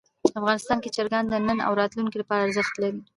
افغانستان کې چرګان د نن او راتلونکي لپاره ارزښت لري.